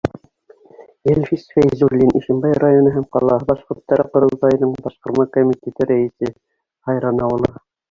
Әлфис ФӘЙЗУЛЛИН, Ишембай районы һәм ҡалаһы башҡорттары ҡоролтайының башҡарма комитеты рәйесе, Һайран ауылы: